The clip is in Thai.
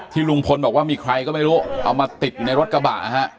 ที่ลุงพลบอกว่ามีใครก็ไม่รู้เอามาติดในรถกระบะ